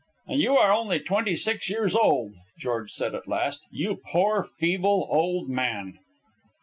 "And you are only twenty six years old," George said at last. "You poor, feeble old man."